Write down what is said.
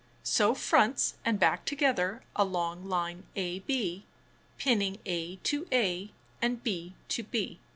Sew fronts and back together along line a b, pinning a to a, and b to b.